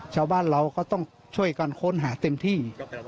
ชาวบ้านเราก็ต้องช่วยกันค้นหาเต็มที่